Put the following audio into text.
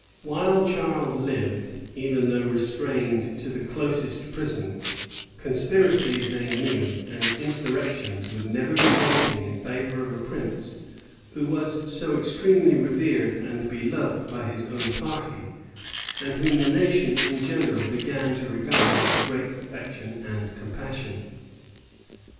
While Charles lived, even though restrained to the closest prison, conspiracies, they knew, and insurrections would never be wanting in favor of a prince who was so extremely revered and beloved by his own party, and whom the nation in general began to regard with great affection and compassion.